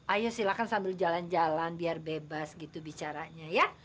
ayo silakan sambil jalan jalan biar bebas gitu bicaranya ya